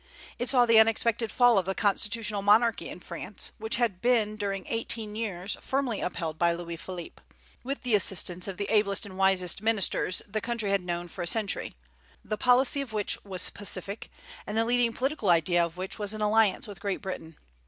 It saw the unexpected fall of the constitutional monarchy in France, which had been during eighteen years firmly upheld by Louis Philippe, with the assistance of the ablest and wisest ministers the country had known for a century, the policy of which was pacific, and the leading political idea of which was an alliance with Great Britain.